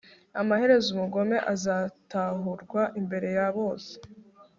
amaherezo umugome azatahurwa imbere ya bose